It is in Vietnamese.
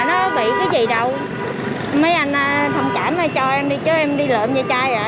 nó bị cái gì đâu mấy anh thông cảm hay cho em đi chứ em đi lợm da chai